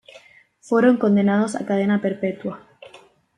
Fueron condenados a cadena perpetua.